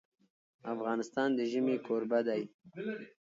افغانستان د ژمی کوربه دی.